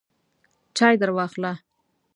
چای درواخله !